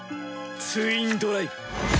ツインドライブ。